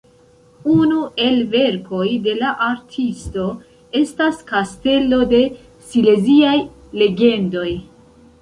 Unu el verkoj de la artisto estas Kastelo de Sileziaj Legendoj.